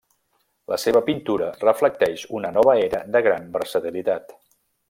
La seva pintura reflecteix una nova era de gran versatilitat.